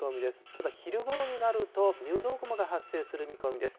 ただ、昼ごろになると、入道雲が発生する見込みです。